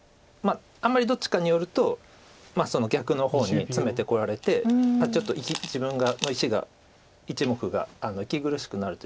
あんまりどっちかに寄ると逆の方にツメてこられてちょっと自分の石が１目が息苦しくなるということで。